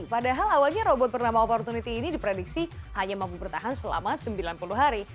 padahal awalnya robot bernama opportunity ini diprediksi hanya mampu bertahan selama sembilan puluh hari